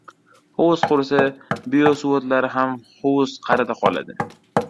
• Hovuz qurisa, beo suvo‘tlari ham hovuz qa’rida qoladi.